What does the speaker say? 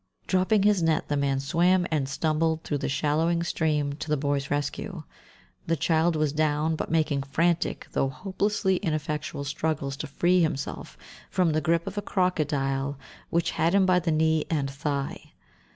Dropping his net, the man swam and stumbled through the shallowing stream to the boy's rescue. The child was down, but making frantic, though hopelessly ineffectual struggles to free himself from the grip of a crocodile which had him by the knee and thigh.